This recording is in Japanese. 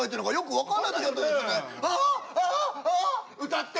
歌って」。